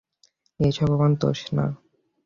এসব আমার দোষ না!